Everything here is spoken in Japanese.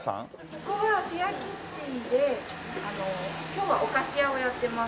ここはシェアキッチンで今日はお菓子屋をやってます。